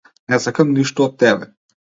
Не сакам ништо од тебе.